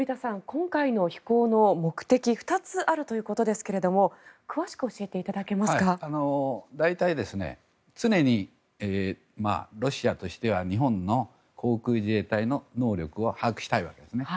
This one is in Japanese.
今回の飛行の目的２つあるということですけども大体、常にロシアとしては日本の航空自衛隊の能力を把握したりですね。